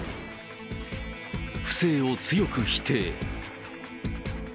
不正を強く否定。